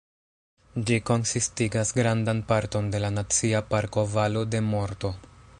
Ĝi konsistigas grandan parton de la Nacia Parko Valo de Morto.